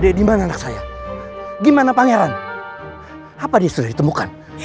dek dimana anak saya gimana pangeran apa dia sudah ditemukan